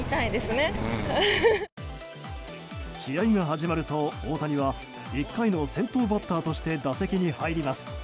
試合が始まると大谷は１回の先頭バッターとして打席に入ります。